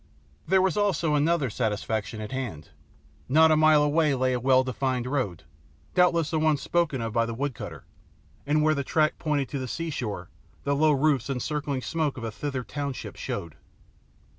There was also other satisfaction at hand. Not a mile away lay a well defined road doubtless the one spoken of by the wood cutter and where the track pointed to the seashore the low roofs and circling smoke of a Thither township showed.